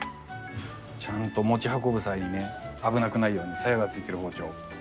ちゃんと持ち運ぶ際にね危なくないように鞘が付いてる包丁。